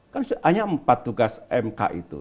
kan hanya empat tugas mk itu